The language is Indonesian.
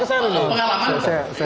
apakah rasanya kesan